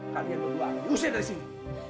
kalian berdua akan usir dari sini